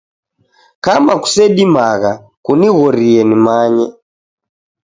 Kama kusedimagha kunighorie nimanye.